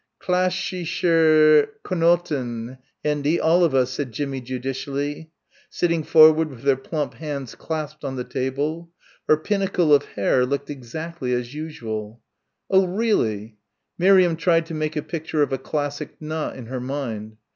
clashishsher Knoten, Hendy, all of us," said Jimmie judicially, sitting forward with her plump hands clasped on the table. Her pinnacle of hair looked exactly as usual. "Oh, really." Miriam tried to make a picture of a classic knot in her mind.